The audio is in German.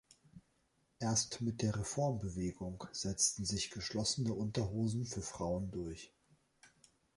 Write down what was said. Erst mit der Reformbewegung setzten sich geschlossene Unterhosen für Frauen durch.